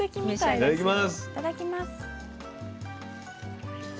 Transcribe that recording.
いただきます。